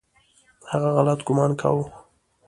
هغه غلط ګومان کاوه .